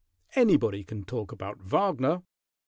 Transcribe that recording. Anybody can talk about Wagner.